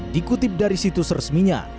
dikutip dari situs resminya